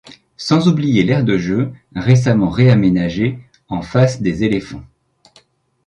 Sans oublier l’aire de jeux, récemment réaménagée, en face des éléphants.